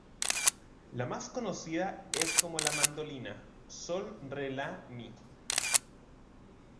La más conocida es como la mandolina sol, re, la, mi.